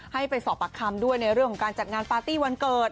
ให้ไปสอบปากคำด้วยในเรื่องของการจัดงานปาร์ตี้วันเกิด